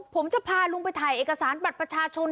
ผมจะพาลุงไปถ่ายเอกสารบัตรประชาชน